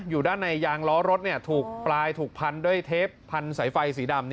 อยู่ด้านในยางล้อรถถูกปลายถูกพันด้วยเทปพันสายไฟสีดำ